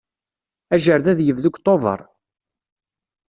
Ajerred ad yebdu deg Tubeṛ.